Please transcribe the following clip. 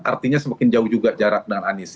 artinya semakin jauh juga jarak dengan anies